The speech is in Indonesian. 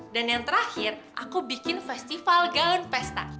dan yang terakhir aku bikin festival gaun pesta